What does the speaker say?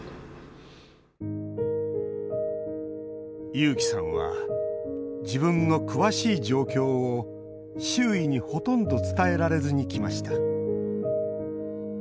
優輝さんは自分の詳しい状況を周囲にほとんど伝えられずにきました。